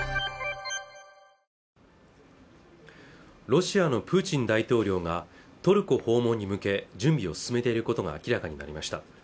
ロシアのプーチン大統領がトルコ訪問に向け準備を進めていることが明らかになりました